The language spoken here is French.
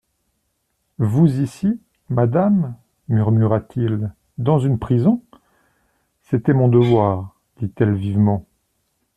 Vous ici, madame, murmura-t-il, dans une prison ! C'était mon devoir, dit-elle vivement.